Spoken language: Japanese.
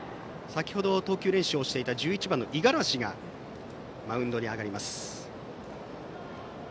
先程、投球練習していた１１番の五十嵐がマウンドに上がります。